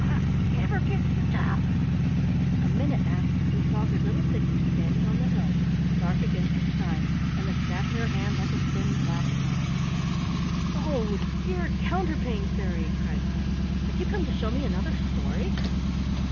Will I ever get to the top?" A minute after he saw her little figure standing on the hill, dark against the sky, and the staff in her hand like a thin black line. "Oh, dear Counterpane Fairy!" cried Teddy, "have you come to show me another story?"